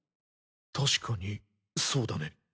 確かにそうだね。